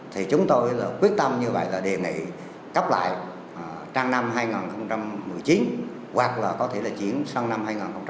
thì chúng tôi quyết tâm như vậy là đề nghị cấp lại trang năm hai nghìn một mươi chín hoặc là có thể là chiến sân năm hai nghìn hai mươi một